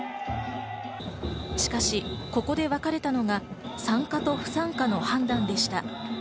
しかしここで分かれたのが参加と不参加の判断でした。